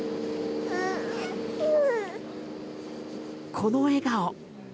この笑顔！